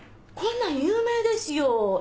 こんなん有名ですよ！